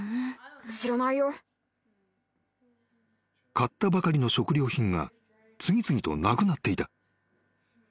［買ったばかりの食料品が次々となくなっていた］